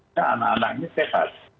karena anak anak ini sehat